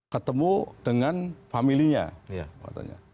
ketemu dengan familinya